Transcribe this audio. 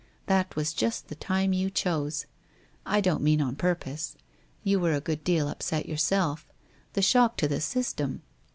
That was just the time you chose. (I don't mean on purpose.) You were a good deal upset yourself. The shock to the system